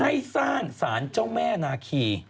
ให้สร้างสารเจ้าแม่นาคี